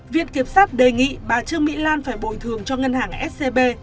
viện kiểm sát đề nghị bà trương mỹ lan phải bồi thường cho ngân hàng scb